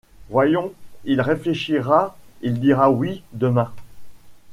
Voyons, il réfléchira, il dira oui demain.